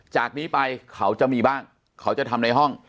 จากนี้ไปเขาจะมีบ้างเขาจะทำในห้อง